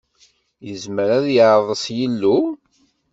Yezmer ad yeɛḍes yilu?